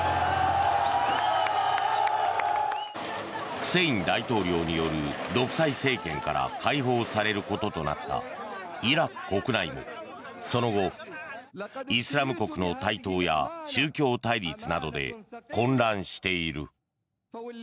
フセイン大統領による独裁政権から解放されることとなったイラク国内もその後、イスラム国の台頭や宗教対立などで混乱している。